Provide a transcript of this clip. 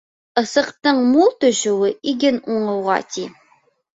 Ысыҡтың мул төшөүе иген уңыуға, ти.